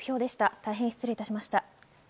大変失礼いたしました。